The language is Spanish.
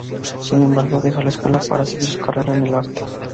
Sin embargo dejó la escuela para seguir su carrera en el arte.